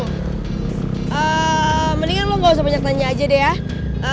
mendingan lo gak usah banyak tanya aja deh ya